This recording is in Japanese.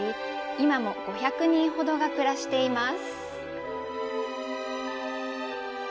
今も５００人ほどが暮らしています。